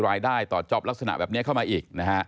รายได้ต่อจ๊อปลักษณะแบบนี้เข้ามาอีกนะฮะ